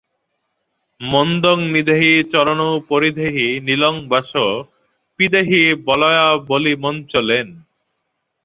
মন্দং নিধেহি চরণৌ পরিধেহি নীলং bus পিধেহি বলয়াবলিমঞ্চলেন।